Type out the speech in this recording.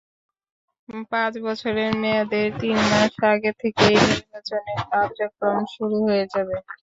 পাঁচ বছরের মেয়াদের তিন মাস আগে থেকেই নির্বাচনের কার্যক্রম শুরু হয়ে যাবে।